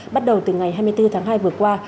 bắt đầu từ ngày hai mươi bốn tháng hai vừa qua